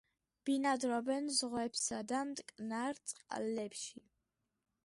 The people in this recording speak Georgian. ბინადრობენ ზღვებსა და მტკნარ წყლებში.